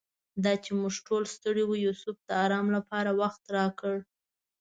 دا چې موږ ټول ستړي وو یوسف د آرام لپاره وخت راکړ.